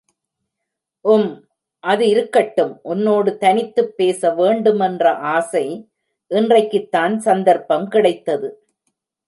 உம், அதிருக்கட்டும் உன்னோடு தனித்துப் பேசவேண்டுமென்ற ஆசை, இன்றைக்குத்தான் சந்தர்ப்பம் கிடைத்தது.